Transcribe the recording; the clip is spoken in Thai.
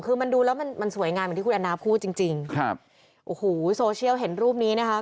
คือมันดูแล้วมันมันสวยงามเหมือนที่คุณแอนนาพูดจริงจริงครับโอ้โหโซเชียลเห็นรูปนี้นะคะ